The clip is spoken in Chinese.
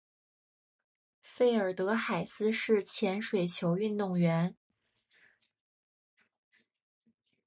费尔德海斯是前水球运动员。